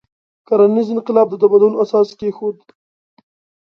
کرنیز انقلاب د تمدن اساس کېښود.